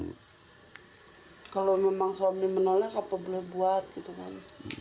kalau memang suami menolak apa boleh buat gitu kan